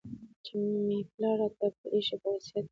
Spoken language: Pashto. چي مي پلار راته پرې ایښی په وصیت دی